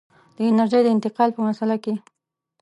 د انرژۍ د انتقال په مسأله کې.